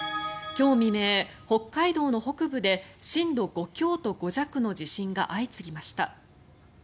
今日未明、北海道の北部で震度５強と５弱の地震が相次ぎました。